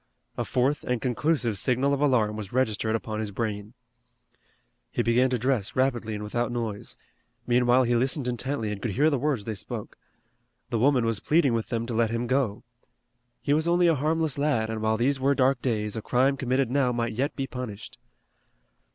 A fourth and conclusive signal of alarm was registered upon his brain. He began to dress rapidly and without noise. Meanwhile he listened intently and could hear the words they spoke. The woman was pleading with them to let him go. He was only a harmless lad, and while these were dark days, a crime committed now might yet be punished.